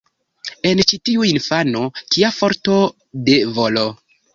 En ĉi tiu infano, kia forto de volo!